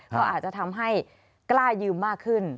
ก็อาจจะทำให้กล้ายืมมากขึ้น